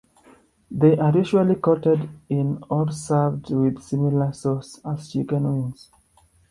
They are usually coated in or served with similar sauces as chicken wings.